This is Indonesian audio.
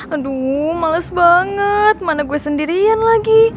aduh males banget mana gue sendirian lagi